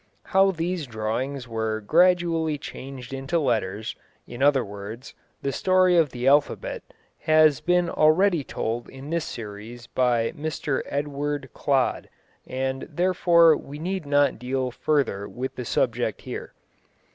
How these drawings were gradually changed into letters, in other words, the story of the alphabet, has been already told in this series by Mr Edward Clodd, and therefore we need not deal further with the subject here.